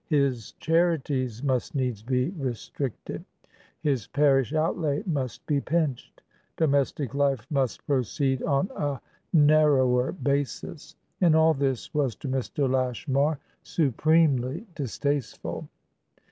His charities must needs be restricted; his parish outlay must be pinched; domestic life must proceed on a narrower basis. And all this was to Mr. Lashmar supremely distasteful.